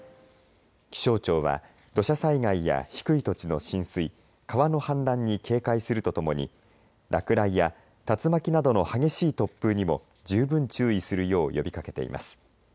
気象庁は土砂災害や低い土地の浸水川の氾濫に警戒するとともに落雷や竜巻などの激しい突風にも十分注意するよう呼びかけています。